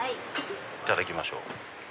いただきましょう。